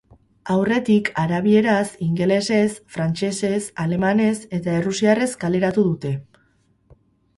Aurretik, arabieraz, ingelesez, frantsesez, alemanez eta errusiarrez kaleratu dute.